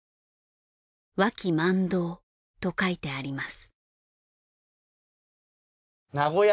「和気満堂」と書いてあります。